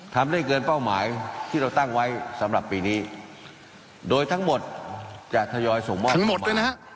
ทำได้เกินเป้าหมายที่เราตั้งไว้สำหรับปีนี้โดยทั้งหมดจะทยอยส่งมอบให้หมดด้วยนะฮะ